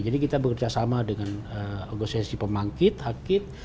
jadi kita bekerjasama dengan agosesi pemangkit hakit